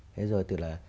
thế rồi thì là